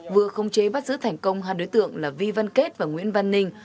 vừa không chế bắt giữ thành công hai đối tượng là vi văn kết và nguyễn văn ninh